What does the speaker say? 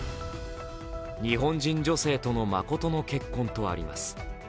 「日本人女性との真の結婚」とあります。